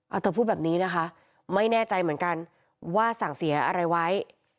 เอาเธอพูดแบบนี้นะคะไม่แน่ใจเหมือนกันว่าสั่งเสียอะไรไว้